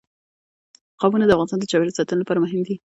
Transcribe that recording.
قومونه د افغانستان د چاپیریال ساتنې لپاره مهم دي.